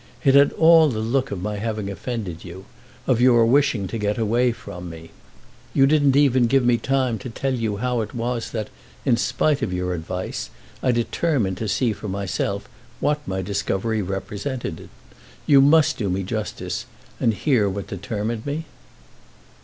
It had all the look of my having offended you, of your wishing to get away from me. You didn't even give me time to tell you how it was that, in spite of your advice, I determined to see for myself what my discovery represented. You must do me justice and hear what determined me."